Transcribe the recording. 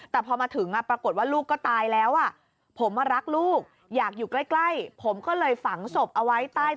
แต่พอมาถึงปรากฏว่าลูกก็ตายแล้ว